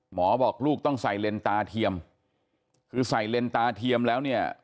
บอกลูกต้องใส่เลนตาเทียมคือใส่เลนตาเทียมแล้วเนี่ย